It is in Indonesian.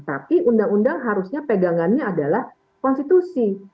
tapi undang undang harusnya pegangannya adalah konstitusi